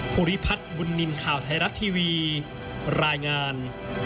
ภูริพัฒน์บุญนินทร์ข่าวไทยรัฐทีวีรายงาน